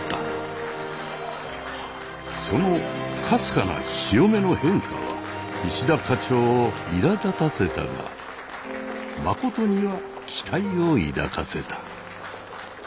そのかすかな潮目の変化は石田課長をいらだたせたが真には期待を抱かせた。